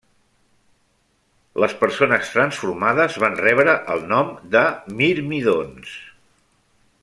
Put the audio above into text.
Les persones transformades van rebre el nom de Mirmídons.